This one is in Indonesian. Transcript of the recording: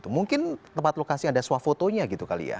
mungkin tempat lokasi anda swafotonya gitu kali ya